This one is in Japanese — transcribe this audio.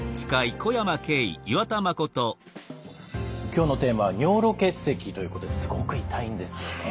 今日のテーマは尿路結石ということですごく痛いんですよね。